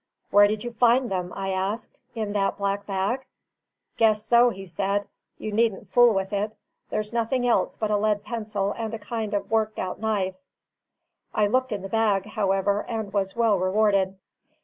"Where did you find them?" I asked. "In that black bag?" "Guess so," he said. "You needn't fool with it. There's nothing else but a lead pencil and a kind of worked out knife." I looked in the bag, however, and was well rewarded.